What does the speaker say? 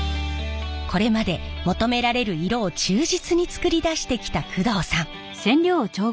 これまで求められる色を忠実に作り出してきた工藤さん。